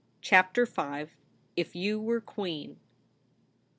CHAPTER V. ' IF YOU WERE QUEEN.